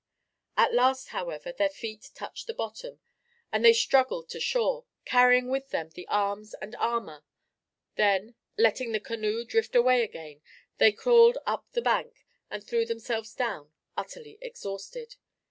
At last, however, their feet touched the bottom, and they struggled to shore, carrying with them the arms and armour; then, letting the canoe drift away again, they crawled up the bank, and threw themselves down, utterly exhausted.